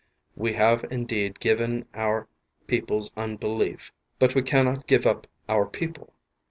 We have indeed given p oui people's unbelief, but we cannot give up our people.